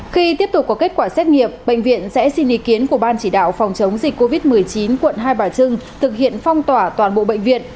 khi tiếp tục có kết quả xét nghiệm bệnh viện sẽ xin ý kiến của ban chỉ đạo phòng chống dịch covid một mươi chín quận hai bà trưng thực hiện phong tỏa toàn bộ bệnh viện